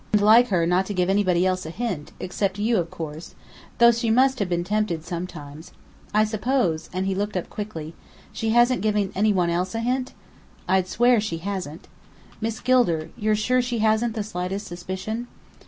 "And like her not to give anybody else a hint, except you, of course though she must have been tempted sometimes. I suppose" and he looked up quickly "she hasn't given any one else a hint?" "I'd swear she hasn't." "Miss Gilder you're sure she hasn't the slightest suspicion?"